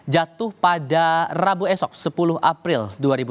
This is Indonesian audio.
jatuh pada rabu esok sepuluh april dua ribu dua puluh